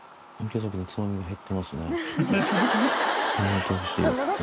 池崎のつまみが減ってますね。